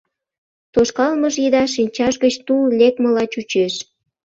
Тошкалмыж еда шинчаж гыч тул лекмыла чучеш.